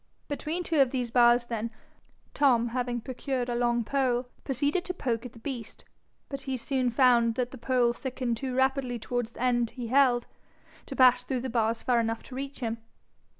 Between two of these bars, then, Tom, having procured a long pole, proceeded to poke at the beast; but he soon found that the pole thickened too rapidly towards the end he held, to pass through the bars far enough to reach him.